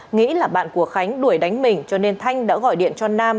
nghĩ là bạn của khánh đuổi đánh mình cho nên thanh đã gọi điện cho nam